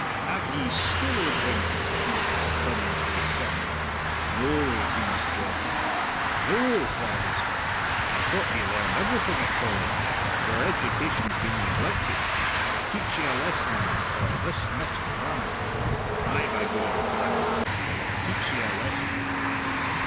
"Have ye skill o' drink?" he asked, turning to his son. "No," wheezed John. "No!" cried his father. "I thought ye learned everything at College! Your education's been neglected. But I'll teach ye a lesson or this nicht's by. Ay, by God," he growled, "I'll teach ye a lesson."